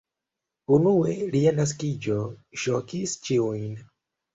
Unue lia naskiĝo ŝokis ĉiujn.